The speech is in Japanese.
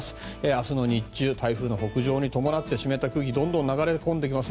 明日の日中、台風の北上に伴って湿った空気がどんどん流れ込んできます。